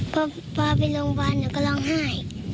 พอพาไปโรงพยาบาลหนูก็ร้องไห้